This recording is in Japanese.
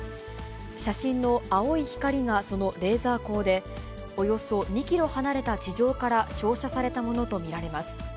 写真の青い光がそのレーザー光で、およそ２キロ離れた地上から照射されたものと見られます。